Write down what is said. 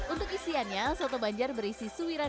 untuk isiannya soto banjar berisi suiran